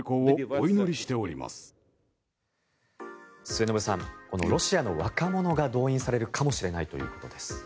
末延さん、ロシアの若者が動員されるかもしれないということです。